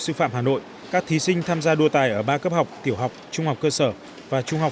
sư phạm hà nội các thí sinh tham gia đua tài ở ba cấp học tiểu học trung học cơ sở và trung học